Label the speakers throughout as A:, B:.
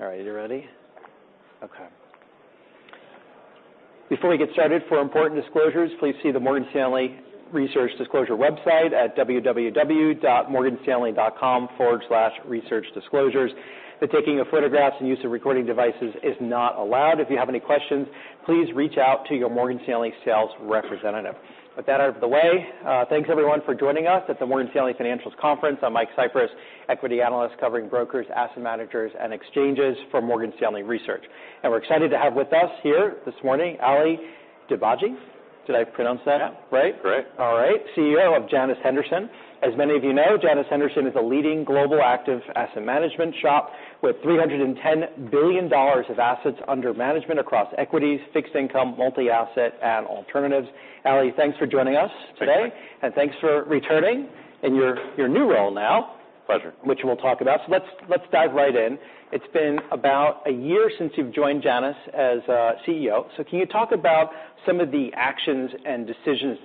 A: All right, are you ready? Okay. Before we get started, for important disclosures, please see the Morgan Stanley Research Disclosure website at www.morganstanley.com/researchdisclosures. The taking of photographs and use of recording devices is not allowed. If you have any questions, please reach out to your Morgan Stanley sales representative. With that out of the way, thanks, everyone, for joining us at the Morgan Stanley Financials Conference. I'm Michael Cyprys, equity analyst, covering brokers, asset managers, and exchanges for Morgan Stanley Research. We're excited to have with us here this morning, Ali Dibadj. Did I pronounce that right?
B: Right.
A: All right. CEO of Janus Henderson. As many of you know, Janus Henderson is a leading global active asset management shop, with $310 billion of assets under management across equities, fixed income, multi-asset, and alternatives. Ali, thanks for joining us today.
B: Thanks, Mike.
A: Thanks for returning in your new role now.
B: Pleasure.
A: Which we'll talk about. Let's dive right in. It's been about a year since you've joined Janus as CEO. Can you talk about some of the actions and decisions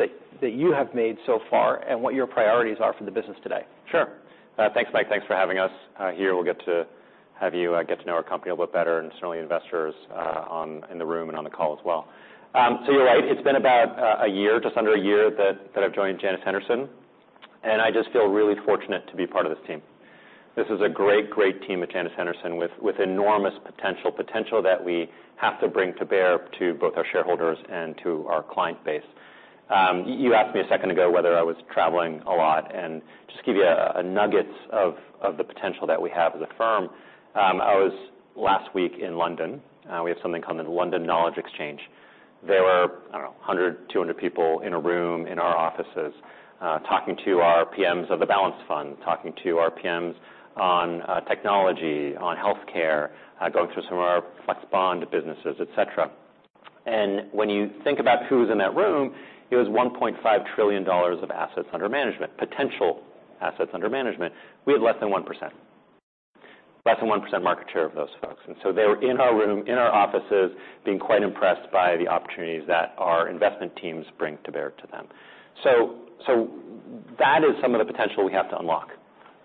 A: that you have made so far and what your priorities are for the business today?
B: Sure. Thanks, Mike. Thanks for having us. Here, we'll get to have you get to know our company a little bit better, and certainly investors in the room and on the call as well. You're right, it's been about a year, just under a year, that I've joined Janus Henderson, and I just feel really fortunate to be part of this team. This is a great team at Janus Henderson, with enormous potential. Potential that we have to bring to bear to both our shareholders and to our client base. You asked me a second ago whether I was traveling a lot, and just to give you a nugget of the potential that we have as a firm, I was, last week, in London. We have something called the London Knowledge Exchange. There were, I don't know, 100, 200 people in a room in our offices, talking to our PMs of the balanced fund, talking to our PMs on technology, on healthcare, going through some of our flex bond businesses, et cetera. When you think about who was in that room, it was $1.5 trillion of assets under management, potential assets under management. We had less than 1%. Less than 1% market share of those folks. They were in our room, in our offices, being quite impressed by the opportunities that our investment teams bring to bear to them. That is some of the potential we have to unlock.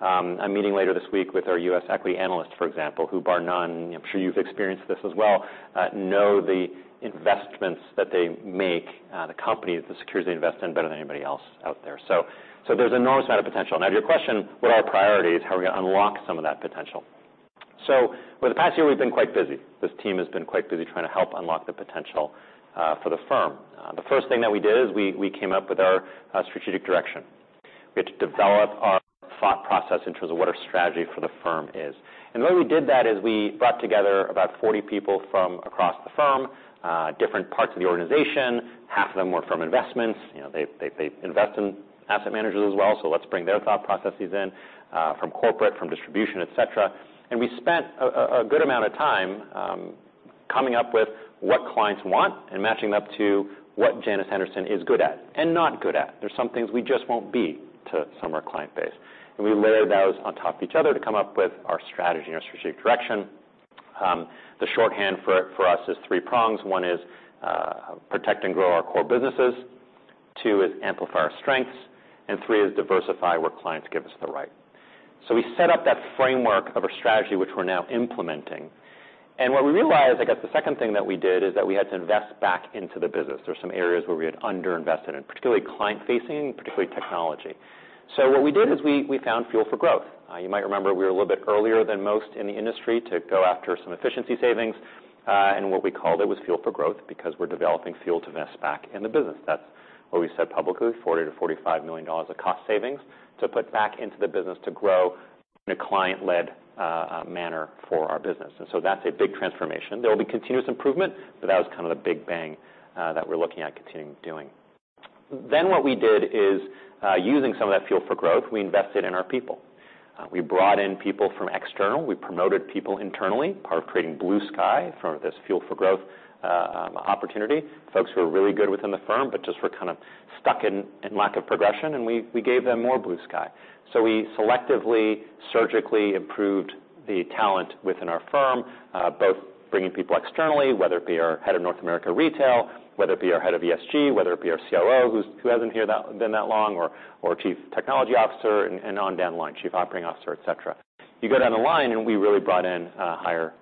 B: I'm meeting later this week with our U.S. equity analysts, for example, who, bar none, I'm sure you've experienced this as well, know the investments that they make, the companies, the securities they invest in, better than anybody else out there. There's an enormous amount of potential. Now, to your question, what are our priorities? How are we going to unlock some of that potential? For the past year, we've been quite busy. This team has been quite busy trying to help unlock the potential for the firm. The first thing that we did is we came up with our strategic direction. We had to develop our thought process in terms of what our strategy for the firm is. The way we did that is we brought together about 40 people from across the firm, different parts of the organization. Half of them were from investments. You know, they invest in asset managers as well, so let's bring their thought processes in, from corporate, from distribution, et cetera. We spent a good amount of time coming up with what clients want and matching them up to what Janus Henderson is good at and not good at. There's some things we just won't be to some of our client base. We layered those on top of each other to come up with our strategy and our strategic direction. The shorthand for us is three prongs. One is, protect and grow our core businesses. Two is amplify our strengths, and three is diversify where clients give us the right. We set up that framework of a strategy which we're now implementing. What we realized, I guess, the second thing that we did, is that we had to invest back into the business. There were some areas where we had underinvested, in particularly client-facing, particularly technology. What we did is we found Fuel for Growth. You might remember we were a little bit earlier than most in the industry to go after some efficiency savings, what we called it was Fuel for Growth, because we're developing fuel to invest back in the business. That's what we said publicly, $40 million-$45 million of cost savings to put back into the business to grow in a client-led manner for our business. That's a big transformation. There will be continuous improvement, but that was kind of the big bang, that we're looking at continuing doing. Then what we did is, using some of that Fuel for Growth, we invested in our people. We brought in people from external. We promoted people internally, part of creating blue sky for this Fuel for Growth, opportunity. Folks who are really good within the firm, but just were kind of stuck in lack of progression, and we gave them more blue sky. We selectively, surgically improved the talent within our firm, both bringing people externally, whether it be our head of North America retail, whether it be our head of ESG, whether it be our COO, who hasn't been that long, or Chief Technology Officer, and on down the line, Chief Operating Officer, et cetera. You go down the line, and we really brought in higher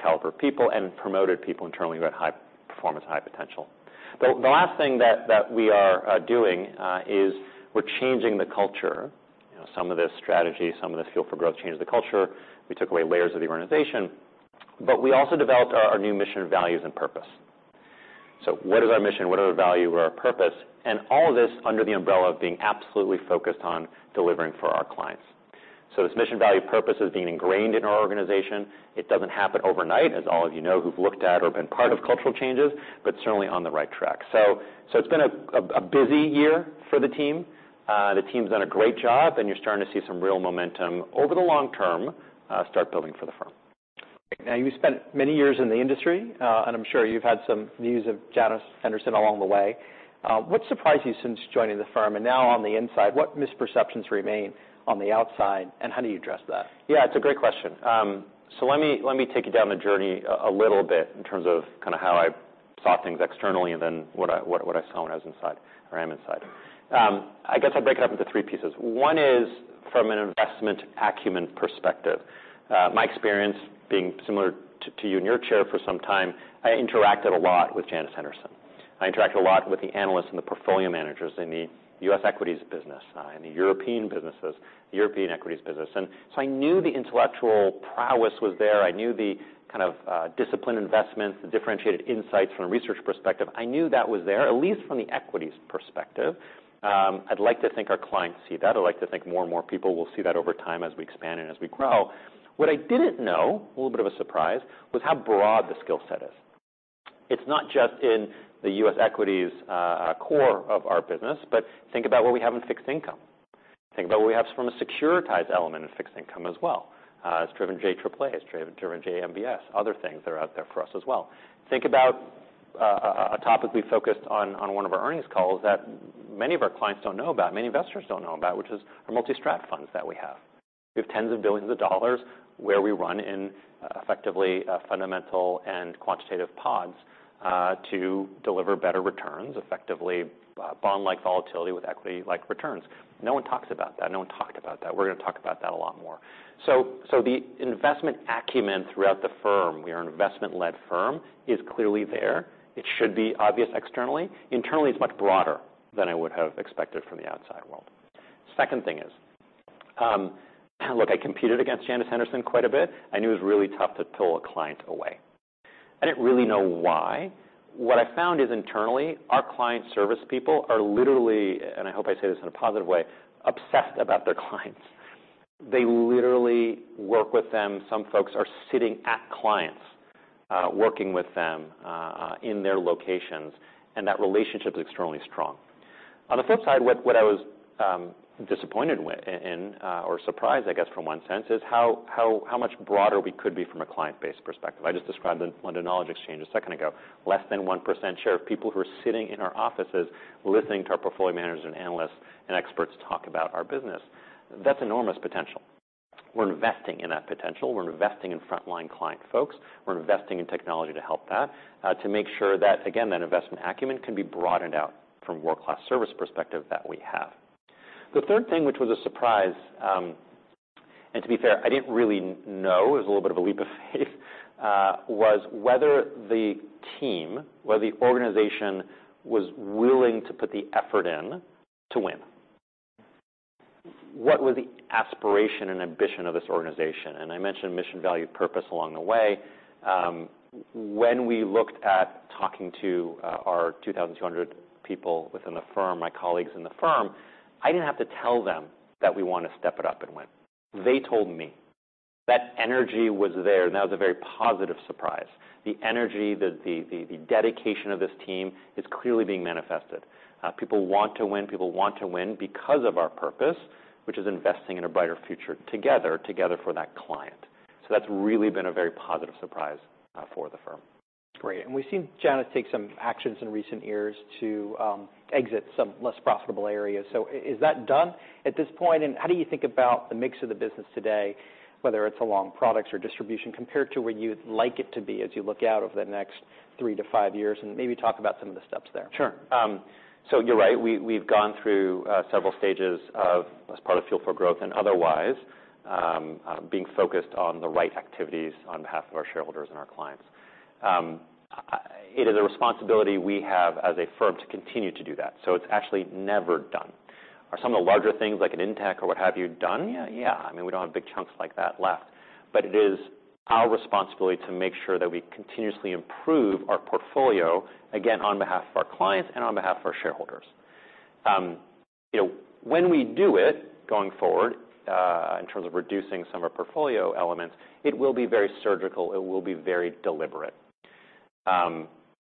B: caliber people and promoted people internally who had high performance, high potential. The last thing that we are doing is we're changing the culture. You know, some of this strategy, some of this Fuel for Growth changes the culture. We took away layers of the organization, but we also developed our new mission, values, and purpose. What is our mission? What are our value or our purpose? All of this under the umbrella of being absolutely focused on delivering for our clients. This mission value purpose is being ingrained in our organization. It doesn't happen overnight, as all of you know, who've looked at or been part of cultural changes, but certainly on the right track. It's been a busy year for the team. The team's done a great job, and you're starting to see some real momentum over the long term, start building for the firm.
A: You spent many years in the industry, and I'm sure you've had some views of Janus Henderson along the way. What surprised you since joining the firm? Now on the inside, what misperceptions remain on the outside, and how do you address that?
B: Yeah, it's a great question. Let me take you down the journey a little bit in terms of kind of how I saw things externally than what I saw when I was inside, or am inside. I guess I'll break it up into three pieces. One is from an investment acumen perspective. My experience, being similar to you in your chair for some time, I interacted a lot with Janus Henderson. I interacted a lot with the analysts and the portfolio managers in the U.S. equities business, in the European businesses, the European equities business. I knew the intellectual prowess was there. I knew the kind of disciplined investments, the differentiated insights from a research perspective. I knew that was there, at least from the equities perspective. I'd like to think our clients see that. I'd like to think more and more people will see that over time as we expand and as we grow. What I didn't know, a little bit of a surprise, was how broad the skill set is. It's not just in the U.S. equities, core of our business, but think about what we have in fixed income. Think about what we have from a securitized element in fixed income as well. It's driven JAAA, it's driven JMBS, other things that are out there for us as well. Think about a topic we focused on one of our earnings calls that many of our clients don't know about, many investors don't know about, which is our multi-strat funds that we have. We have tens of billions of dollars, where we run in effectively, fundamental and quantitative pods, to deliver better returns, effectively, bond-like volatility with equity-like returns. No one talks about that. No one talked about that. We're gonna talk about that a lot more. The investment acumen throughout the firm, we are an investment-led firm, is clearly there. It should be obvious externally. Internally, it's much broader than I would have expected from the outside world. Second thing is, look, I competed against Janus Henderson quite a bit. I knew it was really tough to pull a client away. I didn't really know why. What I found is internally, our client service people are literally, and I hope I say this in a positive way, obsessed about their clients. They literally work with them. Some folks are sitting at clients, working with them in their locations, and that relationship is extremely strong. On the flip side, what I was disappointed in or surprised, I guess, from one sense, is how much broader we could be from a client-based perspective. I just described the London Knowledge Exchange a second ago. Less than 1% share of people who are sitting in our offices, listening to our portfolio managers and analysts and experts talk about our business. That's enormous potential. We're investing in that potential. We're investing in frontline client folks. We're investing in technology to help that, to make sure that, again, that investment acumen can be broadened out from a world-class service perspective that we have. The third thing, which was a surprise, and to be fair, I didn't really know, it was a little bit of a leap of faith, was whether the team, whether the organization was willing to put the effort in to win. What was the aspiration and ambition of this organization? I mentioned mission, value, purpose along the way. When we looked at talking to our 2,200 people within the firm, my colleagues in the firm, I didn't have to tell them that we want to step it up and win. They told me. That energy was there, and that was a very positive surprise. The energy, the dedication of this team is clearly being manifested. People want to win. People want to win because of our purpose, which is investing in a brighter future together for that client. That's really been a very positive surprise for the firm.
A: Great. We've seen Janus take some actions in recent years to exit some less profitable areas. Is that done at this point? How do you think about the mix of the business today, whether it's along products or distribution, compared to where you'd like it to be as you look out over the next three to five years? Maybe talk about some of the steps there.
B: Sure. You're right. We've gone through several stages of, as part of Fuel for Growth and otherwise, being focused on the right activities on behalf of our shareholders and our clients. It is a responsibility we have as a firm to continue to do that, so it's actually never done. Are some of the larger things like an Intech or what have you done? Yeah. I mean, we don't have big chunks like that left, but it is our responsibility to make sure that we continuously improve our portfolio, again, on behalf of our clients and on behalf of our shareholders. You know, when we do it, going forward, in terms of reducing some of our portfolio elements, it will be very surgical. It will be very deliberate.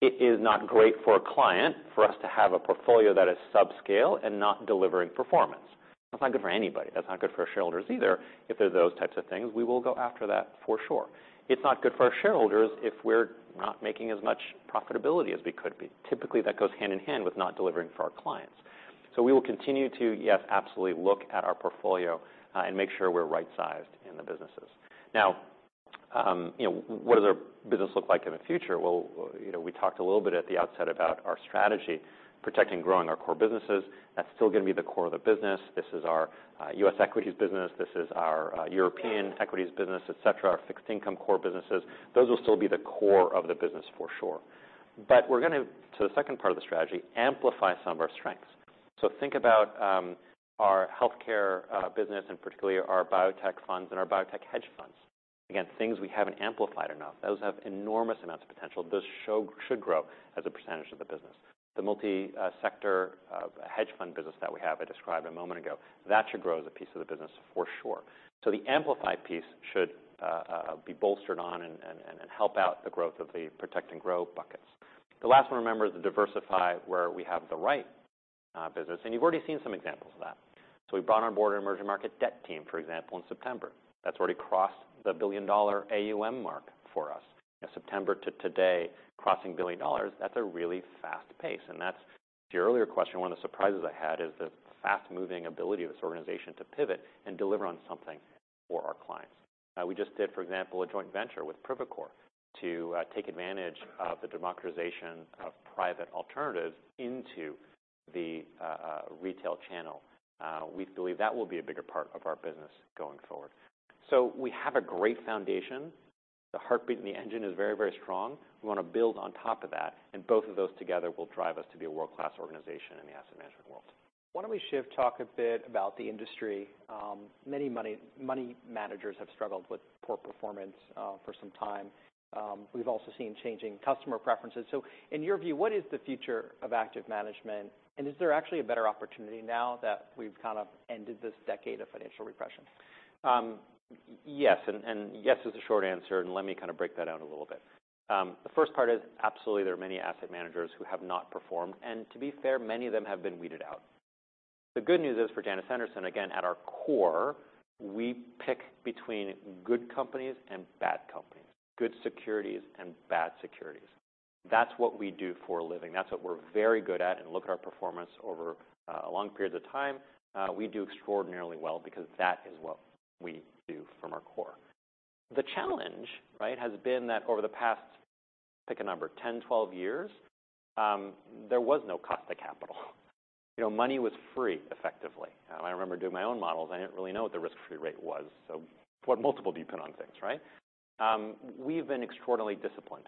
B: It is not great for a client for us to have a portfolio that is subscale and not delivering performance. That's not good for anybody. That's not good for our shareholders either. If there are those types of things, we will go after that for sure. It's not good for our shareholders if we're not making as much profitability as we could be. Typically, that goes hand in hand with not delivering for our clients. We will continue to, yes, absolutely look at our portfolio and make sure we're right-sized in the businesses. Now, you know, what does our business look like in the future? You know, we talked a little bit at the outset about our strategy, protecting, growing our core businesses. That's still gonna be the core of the business. This is our U.S. equities business. This is our European equities business, et cetera, our fixed income core businesses. Those will still be the core of the business for sure. We're gonna, to the second part of the strategy, amplify some of our strengths. Think about our healthcare business, and particularly our biotech funds and our biotech hedge funds. Again, things we haven't amplified enough. Those have enormous amounts of potential. Those should grow as a % of the business. The multi sector hedge fund business that we have, I described a moment ago, that should grow as a piece of the business for sure. The amplified piece should be bolstered on and help out the growth of the protect-and-grow buckets. The last one, remember, is the diversify, where we have the right business, and you've already seen some examples of that. We brought on board our emerging market debt team, for example, in September. That's already crossed the $1 billion AUM mark for us. In September to today, crossing $1 billion, to your earlier question, one of the surprises I had, is the fast-moving ability of this organization to pivot and deliver on something for our clients. We just did, for example, a joint venture with Privacore to take advantage of the democratization of private alternatives into the retail channel. We believe that will be a bigger part of our business going forward. We have a great foundation. The heartbeat and the engine is very, very strong. We want to build on top of that, and both of those together will drive us to be a world-class organization in the asset management world.
A: Why don't we shift, talk a bit about the industry? Many money managers have struggled with poor performance for some time. We've also seen changing customer preferences. In your view, what is the future of active management, and is there actually a better opportunity now that we've kind of ended this decade of financial repression?
B: Yes, and yes is the short answer, and let me kind of break that out a little bit. The first part is absolutely there are many asset managers who have not performed, and to be fair, many of them have been weeded out. The good news is for Janus Henderson, again, at our core, we pick between good companies and bad companies, good securities and bad securities. That's what we do for a living. That's what we're very good at. Look at our performance over long periods of time, we do extraordinarily well because that is what we do from our core. The challenge, right, has been that over the past, pick a number, 10, 12 years, there was no cost to capital. You know, money was free, effectively. I remember doing my own models. I didn't really know what the risk-free rate was, so what multiple do you put on things, right? We've been extraordinarily disciplined.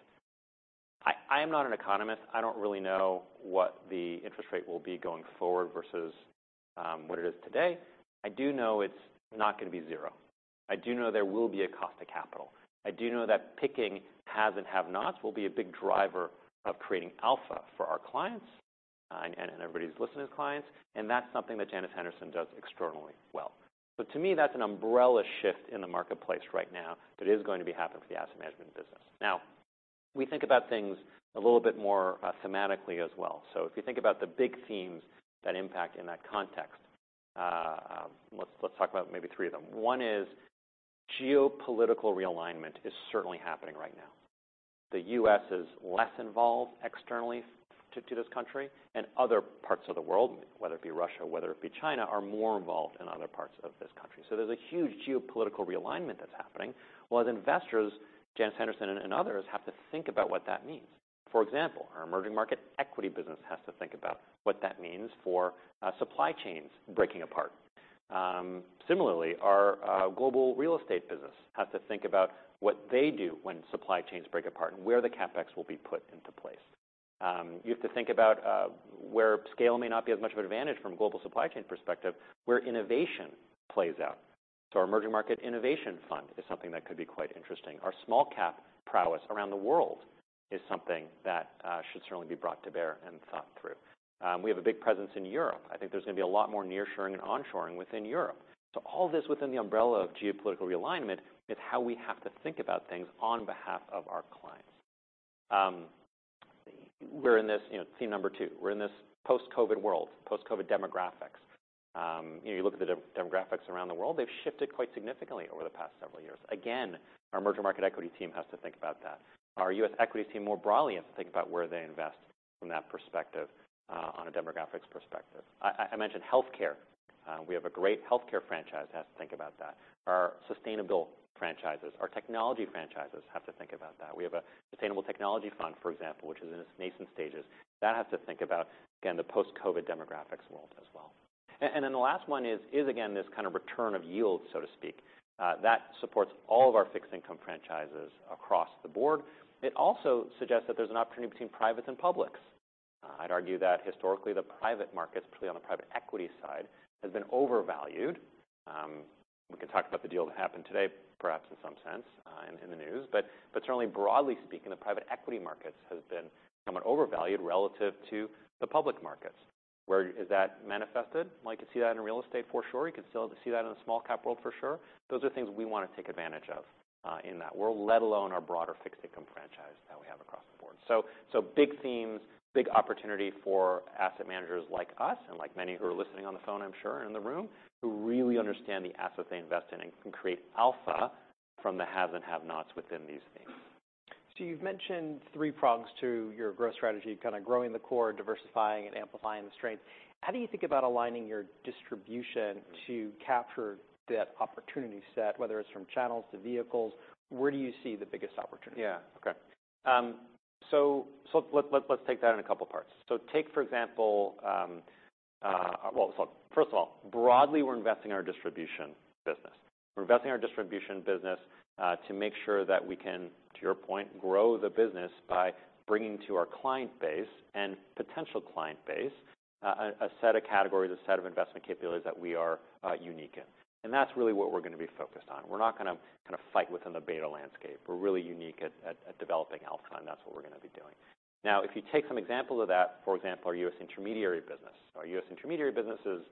B: I am not an economist. I don't really know what the interest rate will be going forward versus what it is today. I do know it's not going to be zero. I do know there will be a cost to capital. I do know that picking haves and have-nots will be a big driver of creating alpha for our clients, and everybody's listening as clients, and that's something that Janus Henderson does extraordinarily well. To me, that's an umbrella shift in the marketplace right now, that is going to be happening for the asset management business. We think about things a little bit more thematically as well. If you think about the big themes that impact in that context, let's talk about maybe three of them. One is geopolitical realignment is certainly happening right now. The U.S. is less involved externally to this country and other parts of the world, whether it be Russia, whether it be China, are more involved in other parts of this country. There's a huge geopolitical realignment that's happening, while as investors, Janus Henderson and others, have to think about what that means. For example, our emerging market equity business has to think about what that means for supply chains breaking apart. Similarly, our global real estate business has to think about what they do when supply chains break apart and where the CapEx will be put into place. You have to think about where scale may not be as much of an advantage from a global supply chain perspective, where innovation plays out. Our emerging market innovation fund is something that could be quite interesting. Our small cap prowess around the world is something that should certainly be brought to bear and thought through. We have a big presence in Europe. I think there's going to be a lot more nearshoring and onshoring within Europe. All this within the umbrella of geopolitical realignment is how we have to think about things on behalf of our clients. We're in this, you know, theme number two. We're in this post-COVID world, post-COVID demographics. You know, you look at the demographics around the world, they've shifted quite significantly over the past several years. Our emerging market equity team has to think about that. Our U.S. equity team, more broadly, has to think about where they invest from that perspective, on a demographics perspective. I mentioned healthcare. We have a great healthcare franchise, that has to think about that. Our sustainable franchises, our technology franchises have to think about that. We have a Sustainable Future Technologies Fund, for example, which is in its nascent stages, that has to think about, again, the post-COVID demographics world as well. The last one is again, this kind of return of yield, so to speak. That supports all of our fixed income franchises across the board. It also suggests that there's an opportunity between privates and publics. I'd argue that historically, the private markets, particularly on the private equity side, has been overvalued. We can talk about the deal that happened today, perhaps in some sense, in the news, but certainly broadly speaking, the private equity markets has been somewhat overvalued relative to the public markets. Where is that manifested? Well, you can see that in real estate for sure. You can still see that in the small cap world for sure. Those are things we want to take advantage of, in that world, let alone our broader fixed income franchise that we have across the board. Big themes, big opportunity for asset managers like us and like many who are listening on the phone, I'm sure, in the room, who really understand the assets they invest in and can create alpha from the haves and have-nots within these themes.
A: You've mentioned three prongs to your growth strategy, kind of growing the core, diversifying and amplifying the strength. How do you think about aligning your distribution to capture that opportunity set, whether it's from channels to vehicles? Where do you see the biggest opportunity?
B: Yeah. Okay. Let's take that in a couple of parts. Take, for example. Well, first of all, broadly, we're investing in our distribution business. We're investing in our distribution business to make sure that we can, to your point, grow the business by bringing to our client base and potential client base, a set of categories, a set of investment capabilities that we are unique in. That's really what we're going to be focused on. We're not going to kind of fight within the beta landscape. We're really unique at developing alpha, and that's what we're going to be doing. Now, if you take some examples of that, for example, our U.S. intermediary business. Our U.S. intermediary business is,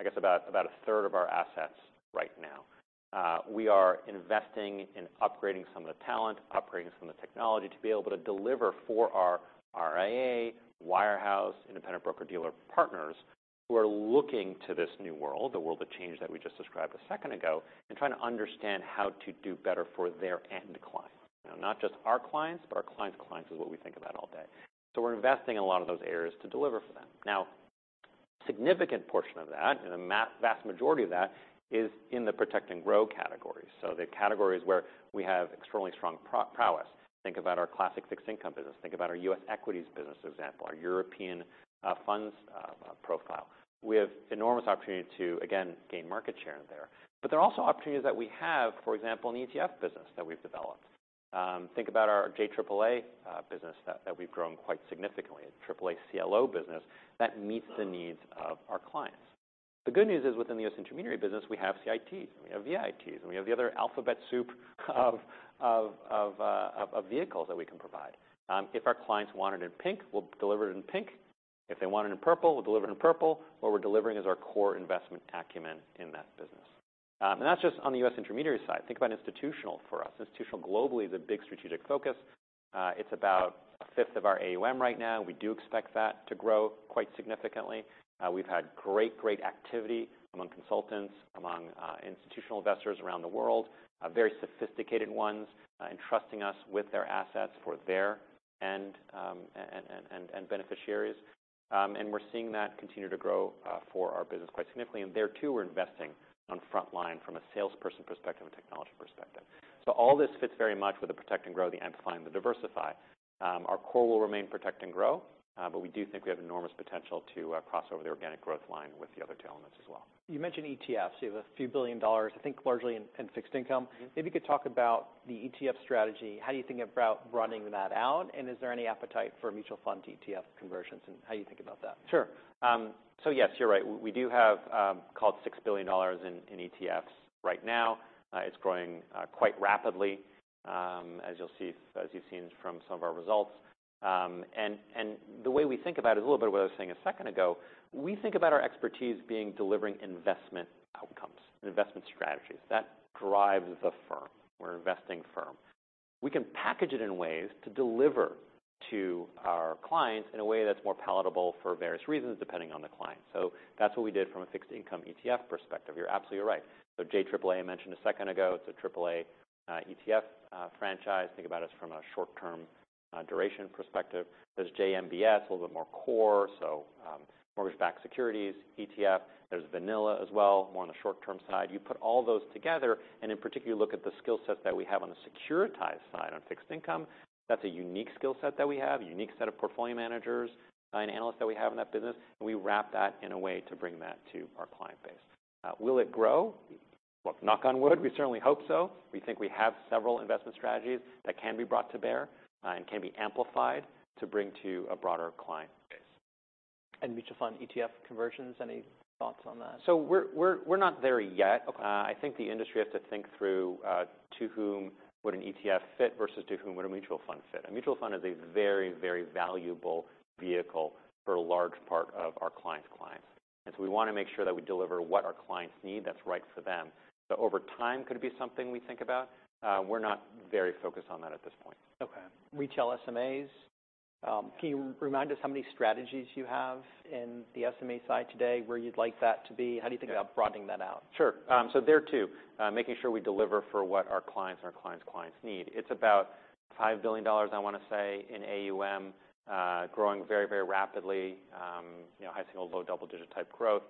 B: I guess, about a third of our assets right now. We are investing in upgrading some of the talent, upgrading some of the technology to be able to deliver for our RIA, wirehouse, independent broker-dealer partners who are looking to this new world, the world of change that we just described a second ago, and trying to understand how to do better for their end clients. You know, not just our clients, but our clients' clients is what we think about all day. We're investing in a lot of those areas to deliver for them. Significant portion of that, and a vast majority of that, is in the protect and grow category. The categories where we have extremely strong prowess. Think about our classic fixed income business. Think about our U.S. equities business, for example, our European funds profile. We have enormous opportunity to, again, gain market share there. There are also opportunities that we have, for example, in the ETF business that we've developed. Think about our JAAA business that we've grown quite significantly, AAA CLO business, that meets the needs of our clients. The good news is, within the U.S. intermediary business, we have CITs, and we have VITs, and we have the other alphabet soup of vehicles that we can provide. If our clients want it in pink, we'll deliver it in pink. If they want it in purple, we'll deliver it in purple. What we're delivering is our core investment acumen in that business. That's just on the U.S. intermediary side. Think about institutional for us. Institutional globally is a big strategic focus. It's about 1/5 of our AUM right now. We do expect that to grow quite significantly. We've had great, great activity among consultants, among institutional investors around the world, very sophisticated ones, entrusting us with their assets for their end, and beneficiaries. We're seeing that continue to grow for our business quite significantly. There, too, we're investing on frontline from a salesperson perspective and technology perspective. All this fits very much with the Protect and Grow, the Amplify, and the Diversify. Our core will remain Protect and Grow, but we do think we have enormous potential to cross over the organic growth line with the other two elements as well.
A: You mentioned ETFs. You have a few billion dollars, I think, largely in fixed income.
B: Mm-hmm.
A: Maybe you could talk about the ETF strategy. How do you think about running that out, and is there any appetite for mutual fund to ETF conversions, and how you think about that?
B: Sure. Yes, you're right. We do have, call it $6 billion in ETFs right now. It's growing quite rapidly, as you've seen from some of our results. The way we think about it, a little bit of what I was saying a second ago, we think about our expertise being delivering investment outcomes and investment strategies. That drives the firm. We're an investing firm. We can package it in ways to deliver to our clients in a way that's more palatable for various reasons, depending on the client. That's what we did from a fixed income ETF perspective. You're absolutely right. JAAA, I mentioned a second ago, it's a AAA ETF franchise. Think about us from a short-term duration perspective. There's JMBS, a little bit more core, so, mortgage-backed securities ETF. There's VNLA as well, more on the short-term side. You put all those together, and in particular, look at the skill sets that we have on the securitized side, on fixed income. That's a unique skill set that we have, a unique set of portfolio managers and analysts that we have in that business, and we wrap that in a way to bring that to our client base. Will it grow? Look, knock on wood, we certainly hope so. We think we have several investment strategies that can be brought to bear and can be amplified to bring to a broader client base.
A: And mutual fund ETF conversions, any thoughts on that?
B: We're not there yet.
A: Okay.
B: I think the industry has to think through, to whom would an ETF fit versus to whom would a mutual fund fit? A mutual fund is a very, very valuable vehicle for a large part of our clients' clients. We wanna make sure that we deliver what our clients need, that's right for them. Over time, could it be something we think about? We're not very focused on that at this point.
A: Okay. Retail SMAs, can you remind us how many strategies you have in the SMA side today, where you'd like that to be? How do you think about broadening that out?
B: Sure. there, too, making sure we deliver for what our clients and our clients' clients need. It's about $5 billion, I wanna say, in AUM, growing very, very rapidly, you know, high single, low double-digit type growth.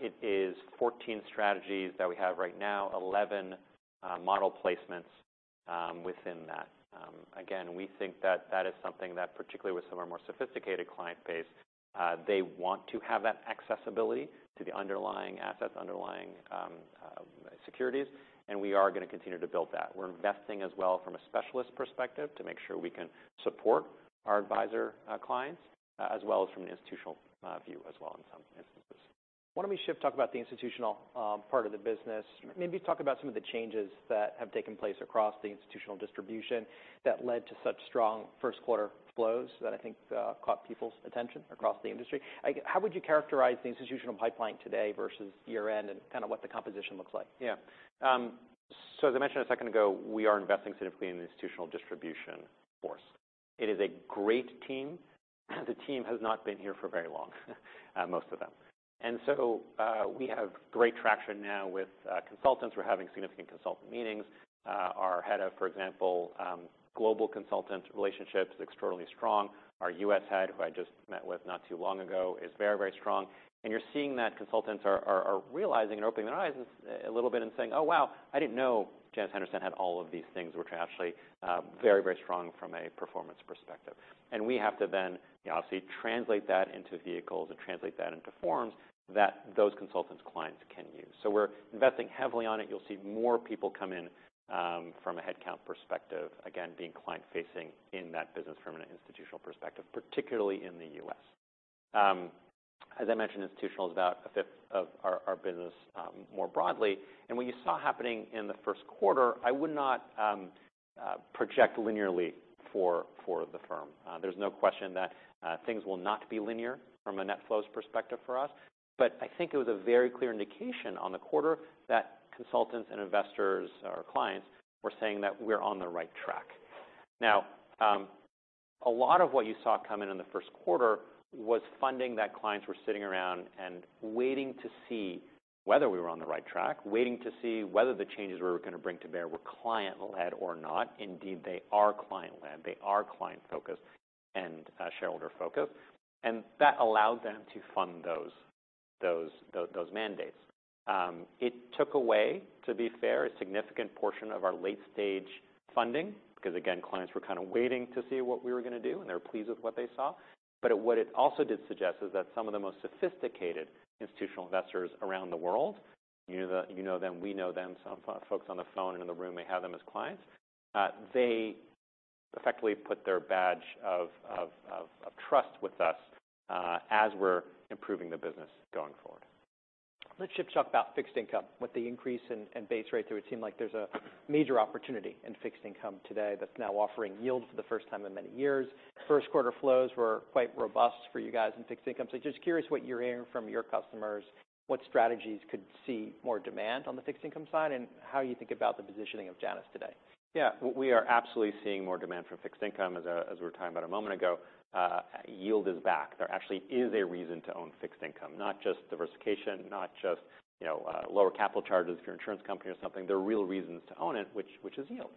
B: It is 14 strategies that we have right now, 11 model placements within that. Again, we think that that is something that, particularly with some of our more sophisticated client base, they want to have that accessibility to the underlying assets, underlying securities. We are gonna continue to build that. We're investing as well from a specialist perspective to make sure we can support our advisor clients, as well as from an institutional view as well in some instances.
A: Why don't we shift, talk about the institutional part of the business. Maybe talk about some of the changes that have taken place across the institutional distribution that led to such strong first quarter flows that I think caught people's attention across the industry. How would you characterize the institutional pipeline today versus year-end and kind of what the composition looks like?
B: Yeah. As I mentioned a second ago, we are investing significantly in the institutional distribution force. It is a great team, the team has not been here for very long, most of them. We have great traction now with consultants. We're having significant consultant meetings. Our head of, for example, global consultant relationships, extraordinarily strong. Our U.S. head, who I just met with not too long ago, is very, very strong. You're seeing that consultants are realizing and opening their eyes a little bit and saying, "Oh, wow, I didn't know Janus Henderson had all of these things," which are actually very, very strong from a performance perspective. We have to then, obviously, translate that into vehicles and translate that into forms that those consultants' clients can use. We're investing heavily on it. You'll see more people come in from a headcount perspective, again, being client-facing in that business from an institutional perspective, particularly in the U.S. As I mentioned, institutional is about a 5th of our business, more broadly. What you saw happening in the 1st quarter, I would not project linearly for the firm. There's no question that things will not be linear from a net flows perspective for us, but I think it was a very clear indication on the quarter that consultants and investors, our clients, were saying that we're on the right track. Now. A lot of what you saw come in in the first quarter was funding that clients were sitting around and waiting to see whether we were on the right track, waiting to see whether the changes we were going to bring to bear were client-led or not. Indeed, they are client-led, they are client-focused and shareholder-focused, and that allowed them to fund those mandates. It took away, to be fair, a significant portion of our late-stage funding, because again, clients were kind of waiting to see what we were going to do, and they were pleased with what they saw. What it also did suggest is that some of the most sophisticated institutional investors around the world, you know them, we know them, some folks on the phone and in the room may have them as clients, they effectively put their badge of trust with us, as we're improving the business going forward.
A: Let's shift talk about fixed income. With the increase in base rates, it seemed like there's a major opportunity in fixed income today, that's now offering yields for the first time in many years. First quarter flows were quite robust for you guys in fixed income. Just curious what you're hearing from your customers, what strategies could see more demand on the fixed income side, and how you think about the positioning of Janus Henderson today?
B: Yeah, we are absolutely seeing more demand for fixed income, as we were talking about a moment ago. Yield is back. There actually is a reason to own fixed income, not just diversification, not just, you know, lower capital charges if you're an insurance company or something. There are real reasons to own it, which is yield.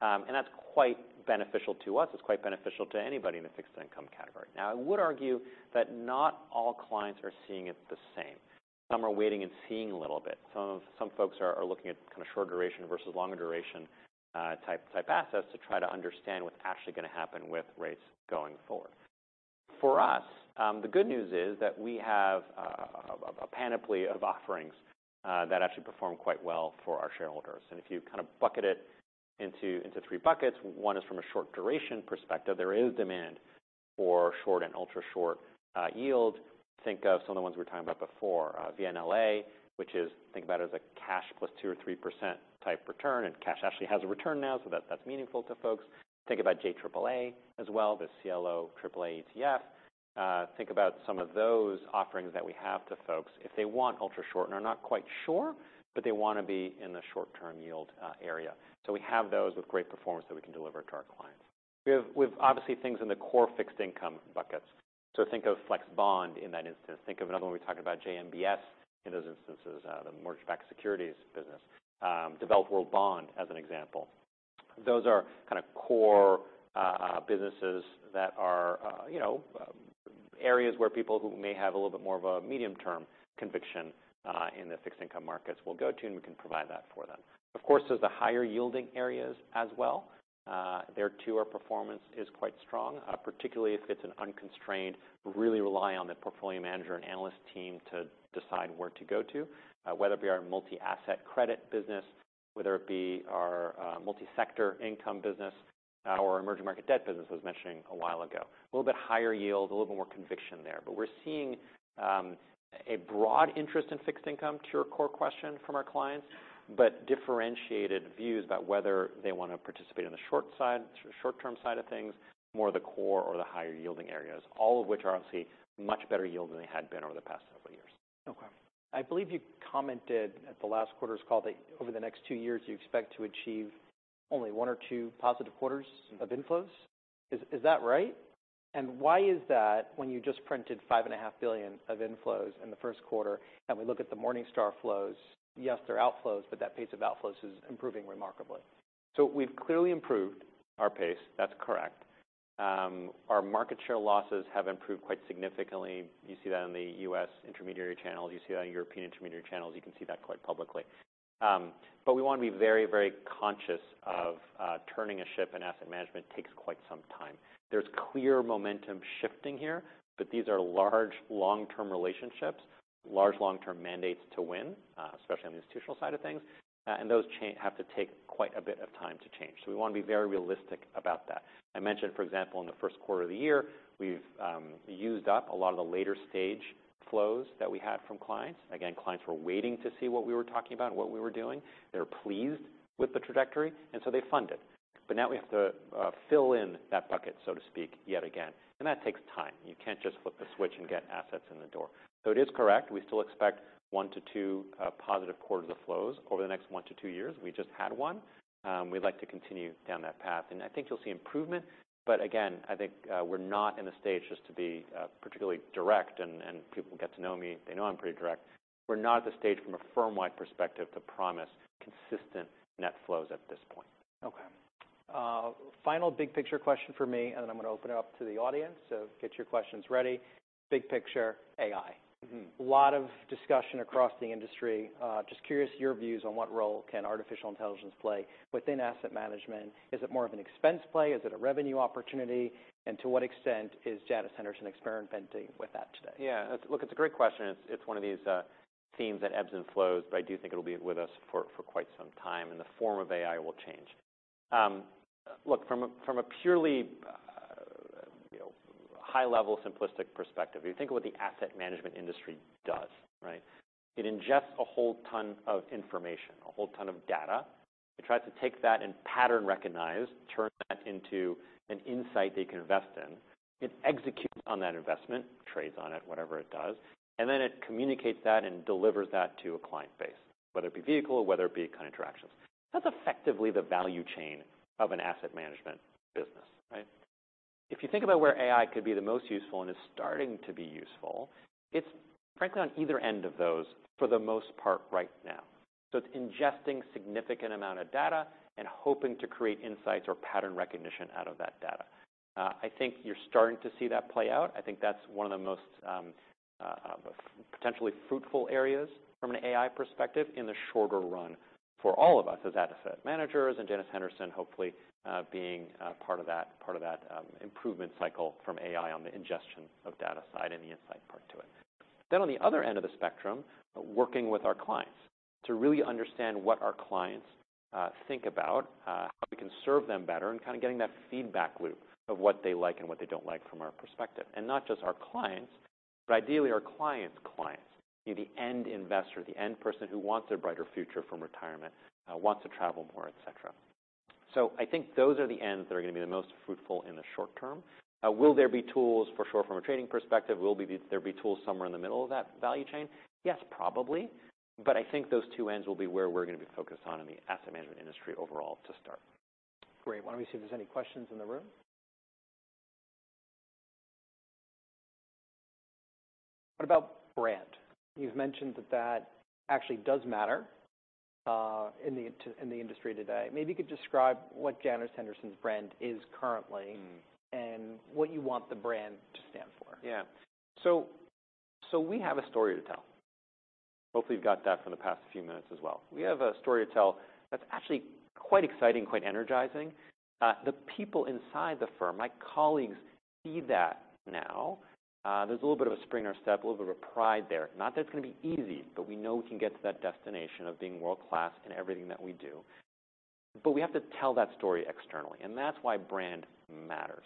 B: That's quite beneficial to us. It's quite beneficial to anybody in the fixed income category. I would argue that not all clients are seeing it the same. Some are waiting and seeing a little bit. Some folks are looking at kind of short duration versus longer duration, type assets to try to understand what's actually going to happen with rates going forward. For us, the good news is that we have a panoply of offerings that actually perform quite well for our shareholders. If you kind of bucket it into three buckets, one is from a short duration perspective. There is demand for short and ultra-short yield. Think of some of the ones we were talking about before, VNLA, which is, think about it as a cash plus 2% or 3% type return, and cash actually has a return now, so that's meaningful to folks. Think about JAAA as well, the CLO AAA ETF. Think about some of those offerings that we have to folks. If they want ultra-short and are not quite sure, but they want to be in the short-term yield area. We have those with great performance that we can deliver to our clients. We have obviously things in the core fixed income buckets. Think of flex bond in that instance. Think of another one we talked about, JMBS, in those instances, the Mortgage-Backed Securities business, Developed World Bond, as an example. Those are kind of core businesses that are, you know, areas where people who may have a little bit more of a medium-term conviction in the fixed income markets will go to, and we can provide that for them. Of course, there's the higher-yielding areas as well. There, too, our performance is quite strong, particularly if it's an unconstrained, really rely on the portfolio manager and analyst team to decide where to go to, whether it be our multi-asset credit business, whether it be our multi-sector income business, or emerging market debt business, I was mentioning a while ago. A little bit higher yield, a little bit more conviction there. We're seeing a broad interest in fixed income, to your core question, from our clients, but differentiated views about whether they want to participate in the short side, short-term side of things, more the core or the higher-yielding areas, all of which are obviously much better yield than they had been over the past several years.
A: Okay. I believe you commented at the last quarter's call that over the next two years, you expect to achieve only one or two positive quarters of inflows. Is that right? Why is that when you just printed $ five and a half billion of inflows in the first quarter, and we look at the Morningstar flows, yes, they're outflows, but that pace of outflows is improving remarkably?
B: We've clearly improved our pace. That's correct. Our market share losses have improved quite significantly. You see that in the U.S. intermediary channels, you see that in European intermediary channels, you can see that quite publicly. We want to be very, very conscious of turning a ship, and asset management takes quite some time. There's clear momentum shifting here, but these are large, long-term relationships, large, long-term mandates to win, especially on the institutional side of things, and those have to take quite a bit of time to change. We want to be very realistic about that. I mentioned, for example, in the first quarter of the year, we've used up a lot of the later stage flows that we had from clients. Again, clients were waiting to see what we were talking about and what we were doing. They were pleased with the trajectory, they funded. But now, we have to fill in that bucket, so to speak, yet again, and that takes time. You can't just flip the switch and get assets in the door. It is correct. We still expect one to two positive quarters of flows over the next one to two years. We just had one. We'd like to continue down that path. I think you'll see improvement. Again, I think, we're not in a stage just to be particularly direct, and people who get to know me, they know I'm pretty direct. We're not at the stage from a firm-wide perspective to promise consistent net flows at this point.
A: Okay. Final big picture question for me, and then I'm going to open it up to the audience, so get your questions ready. Big picture, AI.
B: Mm-hmm.
A: A lot of discussion across the industry. Just curious, your views on what role can artificial intelligence play within asset management? Is it more of an expense play? Is it a revenue opportunity? To what extent is Janus Henderson experimenting with that today?
B: Yeah, look, it's a great question. It's one of these themes that ebbs and flows, but I do think it'll be with us for quite some time, and the form of AI will change. Look, from a purely, you know, high level, simplistic perspective, if you think of what the asset management industry does, right? It ingests a whole ton of information, a whole ton of data. It tries to take that and pattern recognize, turn that into an insight they can invest in. It executes on that investment, trades on it, whatever it does, and then it communicates that and delivers that to a client base, whether it be vehicle or whether it be interactions. That's effectively the value chain of an asset management business, right? If you think about where AI could be the most useful and is starting to be useful, it's frankly on either end of those for the most part right now. It's ingesting significant amount of data and hoping to create insights or pattern recognition out of that data. I think you're starting to see that play out. I think that's one of the most potentially fruitful areas from an AI perspective in the shorter run for all of us as asset managers and Janus Henderson, hopefully, being part of that improvement cycle from AI on the ingestion of data side and the insight part to it. Then, on the other end of the spectrum, working with our clients, to really understand what our clients think about how we can serve them better, and kind of getting that feedback loop of what they like and what they don't like from our perspective. Not just our clients, but ideally our clients' clients. Be the end investor, the end person who wants a brighter future from retirement, wants to travel more, et cetera. I think those are the ends that are going to be the most fruitful in the short term. Will there be tools for sure from a trading perspective? Will there be tools somewhere in the middle of that value chain? Yes, probably. I think those two ends will be where we're going to be focused on in the asset management industry overall to start.
A: Great. Why don't we see if there's any questions in the room? What about brand? You've mentioned that that actually does matter, in the industry today. Maybe you could describe what Janus Henderson's brand is currently?
B: Mm.
A: What you want the brand to stand for.
B: So, we have a story to tell. Hopefully, you've got that from the past few minutes as well. We have a story to tell that's actually quite exciting, quite energizing. The people inside the firm, my colleagues, see that now. There's a little bit of a spring in our step, a little bit of a pride there. Not that it's going to be easy, but we know we can get to that destination of being world-class in everything that we do. We have to tell that story externally, and that's why brand matters.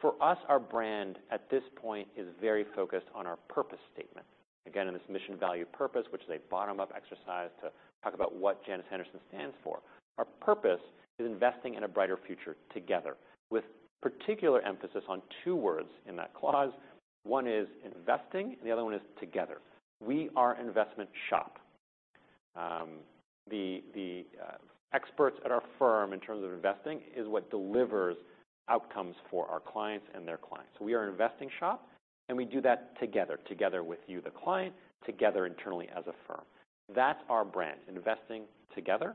B: For us, our brand, at this point, is very focused on our purpose statement. Again, in this mission value purpose, which is a bottom-up exercise to talk about what Janus Henderson stands for. Our purpose is investing in a brighter future together, with particular emphasis on two words in that clause. One is investing, and the other one is together. We are an investment shop. The experts at our firm, in terms of investing, is what delivers outcomes for our clients and their clients. We are an investing shop, and we do that together with you, the client, together internally as a firm. That's our brand, investing together.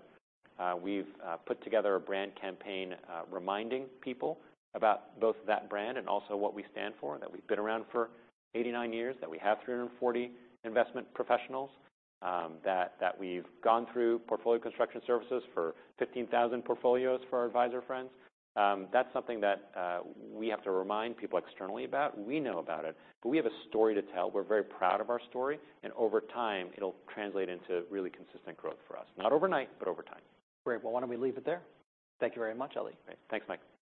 B: We've put together a brand campaign, reminding people about both that brand and also what we stand for, that we've been around for 89 years, that we have 340 investment professionals, that we've gone through portfolio construction services for 15,000 portfolios for our advisor friends. That's something that we have to remind people externally about. We know about it, but we have a story to tell. We're very proud of our story. Over time, it'll translate into really consistent growth for us. Not overnight, but over time.
A: Great. Well, why don't we leave it there? Thank you very much, Ali.
B: Great. Thanks, Mike.
A: Great. That's great.